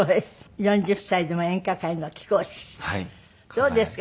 どうですか？